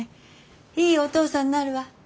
いいお父さんになるわ。